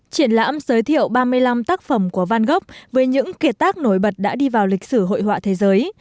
triển lãm giới thiệu ba mươi năm tác phẩm của van gốc với những kiệt tác nổi bật đã đi vào lịch sử hội họa thế giới